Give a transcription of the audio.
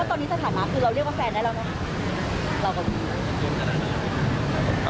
ก็ตอนนี้สถาปราณภาพคือเรียกว่าแฟนได้แล้วเนอะ